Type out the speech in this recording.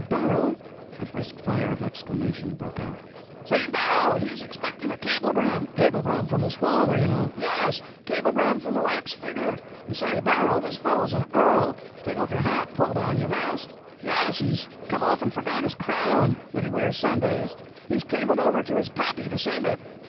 Barrow—" A brisk fire of exclamations broke out— "Say, Barrow, he's expecting a cablegram!" "Cablegram from his father, you know!" "Yes—cablegram from the wax figger!" "And say, Barrow, this fellow's an earl—take off your hat, pull down your vest!" "Yes, he's come off and forgot his crown, that he wears Sundays. He's cabled over to his pappy to send it."